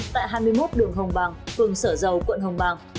tại hai mươi một đường hồng bàng phường sở dầu quận hồng bàng